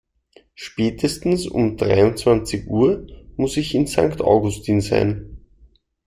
Spätestens um dreiundzwanzig Uhr muss ich in Sankt Augustin sein.